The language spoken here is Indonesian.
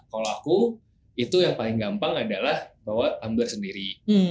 kalau aku itu yang paling gampang adalah bawa tumble sendiri